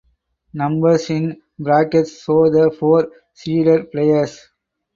Numbers in brackets show the four seeded players.